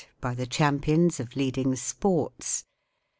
” By the CHAMPIONS OF LEADING SPORTS.